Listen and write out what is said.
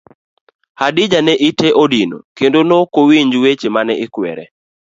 Hadija ne ite odino kendo nokowinj weche mane ikwere.